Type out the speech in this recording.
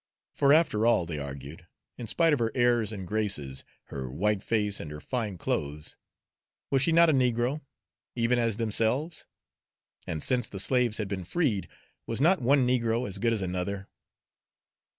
For after all, they argued, in spite of her airs and graces, her white face and her fine clothes, was she not a negro, even as themselves? and since the slaves had been freed, was not one negro as good as another?